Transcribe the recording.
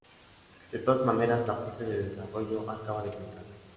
De todas maneras, la fase de desarrollo acaba de comenzar".